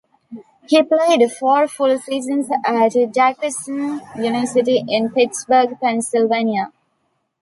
He played four full seasons at Duquesne University in Pittsburgh, Pennsylvania.